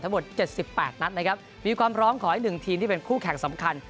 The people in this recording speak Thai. ทั้งหมดเจ็ดสิบแปดนัดนะครับมีความพร้อมขอให้หนึ่งทีมที่เป็นคู่แขกสำคัญ